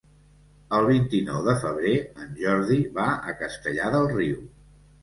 El vint-i-nou de febrer en Jordi va a Castellar del Riu.